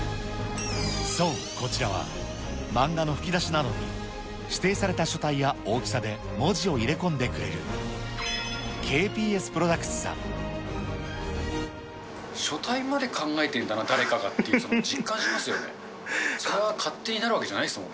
そう、こちらは漫画の吹き出しなどに、指定された書体や大きさで文字を入れ込んでくれるＫＰＳプロダク書体まで考えてるんだな、誰かがっていう、それを実感しますよね、それは勝手になるわけじ